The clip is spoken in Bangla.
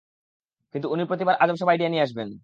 কিন্তু উনি প্রতিবার, আজব সব আইডিয়া নিয়ে আসবেন।